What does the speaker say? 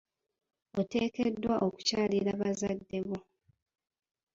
Oteekeddwa okukyalira bazadde bo.